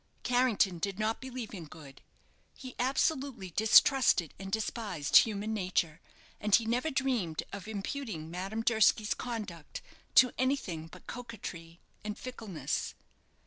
Carrington did not believe in good; he absolutely distrusted and despised human nature, and he never dreamed of imputing Madame Durski's conduct to anything but coquetry and fickleness.